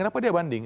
kenapa dia banding